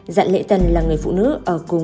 dặn lễ tần là người phụ nữ ở cùng sẽ xuống